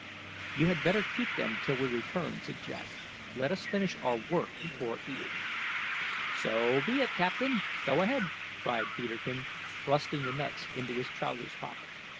"You had better keep them till we return," said Jack. "Let us finish our work before eating." "So be it, captain; go ahead!" cried Peterkin, thrusting the nuts into his trousers pocket.